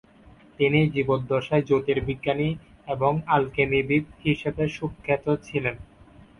তিনি জীবদ্দশায় জ্যোতির্বিজ্ঞানী এবং আলকেমিবিদ হিসেবে সুখ্যাত ছিলেন।